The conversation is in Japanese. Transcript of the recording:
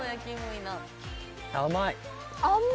甘い。